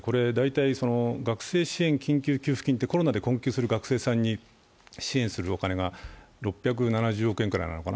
学生支援緊急支援金、コロナに困る学生さんに支援するお金が６７０億円くらいなのかな。